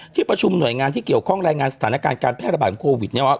ที่ประชุมหน่วยงานที่เกี่ยวข้องรายงานสถานการณ์การแพร่ระบาดของโควิดเนี่ยว่า